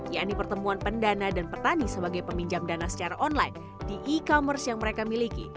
yakni pertemuan pendana dan petani sebagai peminjam dana secara online di e commerce yang mereka miliki